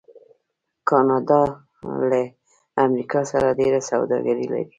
کاناډا له امریکا سره ډیره سوداګري لري.